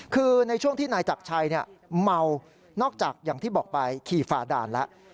คือในช่วงที่นายจักรชัยเมานอกจากอย่างที่บอกไปขี่ฝ่าด่านแล้ว